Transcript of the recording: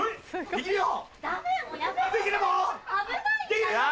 できるよ！